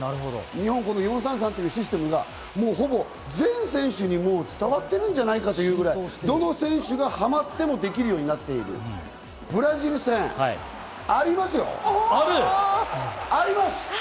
日本４ー３ー３のシステムがほぼ全選手に伝わってるんじゃないかというくらい、どの選手がはまってもできるようになっている、ブラジル戦ありますよ、あります。